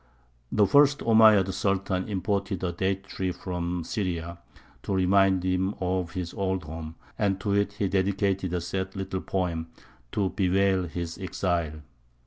The first Omeyyad Sultan imported a date tree from Syria, to remind him of his old home; and to it he dedicated a sad little poem to bewail his exile.